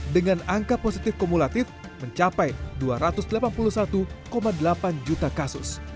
dengan angka positif kumulatif mencapai dua ratus delapan puluh satu delapan juta kasus